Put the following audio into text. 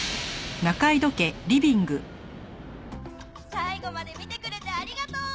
「最後まで見てくれてありがとう！」